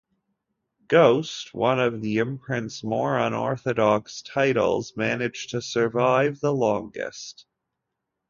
"Ghost", one of the imprint's more unorthodox titles, managed to survive the longest.